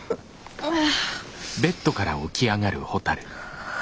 ああ。